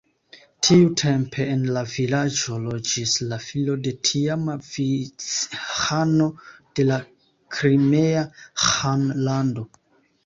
Tiutempe en la vilaĝo loĝis la filo de tiama vic-ĥano de la Krimea Ĥanlando.